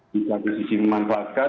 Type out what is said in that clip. di satu sisi memanfaatkan